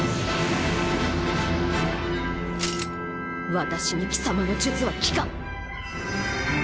私に貴様の術は効かん。